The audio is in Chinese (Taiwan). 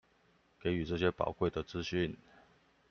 給予這些寶貴的資訊